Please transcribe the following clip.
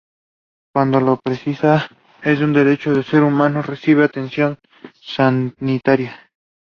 Isabelle Bittencourt is her daughter.